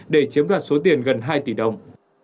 để chiếm đoạt số tiền gần hai tỷ đồng